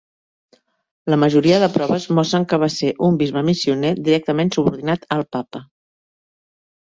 La majoria de proves mostren que va ser un bisbe missioner directament subordinat al Papa.